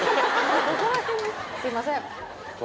すいません！